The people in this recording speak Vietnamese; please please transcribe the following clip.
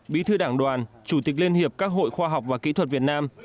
bí thư đảng đoàn chủ tịch liên hiệp các hội khoa học và kỹ thuật việt nam